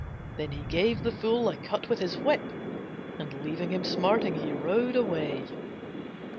Then he gave the fool a cut with his whip And leaving him smarting, he rode away.